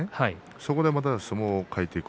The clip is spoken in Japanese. そこでまた相撲を変えていく。